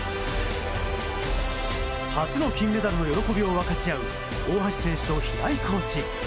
初の金メダルの喜びを分かち合う大橋選手と平井コーチ。